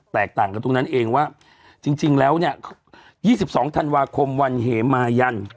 แตกต่างกับตรงนั้นเองว่าจริงจริงแล้วเนี้ยยี่สิบสองธันวาคมวันเหมายัน